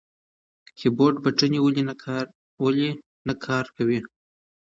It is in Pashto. د کیبورډ بټنې ولې نه کار کوي؟